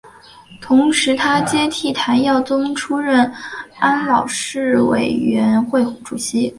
同时他接替谭耀宗出任安老事务委员会主席。